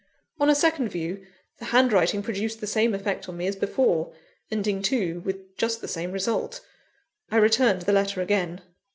On a second view, the handwriting produced the same effect on me as before, ending too with just the same result. I returned the letter again.